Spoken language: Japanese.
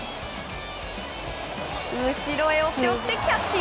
後ろへ追って追ってキャッチ。